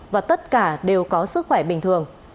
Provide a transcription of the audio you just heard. và tất cả đều có sức khỏe bình thường